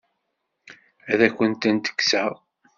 Ad akent-tent-kkseɣ?